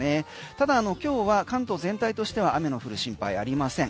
ただ今日は関東全体としては雨の降る心配ありません。